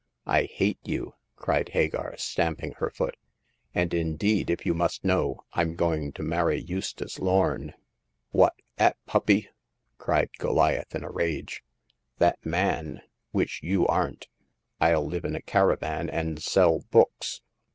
I hate you !" cried Hagar, stamping her foot ;and indeed, if you must know, Fm going to marry Eustace Lorn." What ! that puppy !" cried Goliath, in a rage, That man — which you aren't ! FU live in a caravan and sell books."